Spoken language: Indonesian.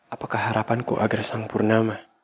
apakah harapanku agar sang purnama